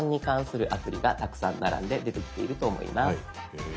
へえ。